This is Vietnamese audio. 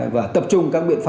và tập trung các biện pháp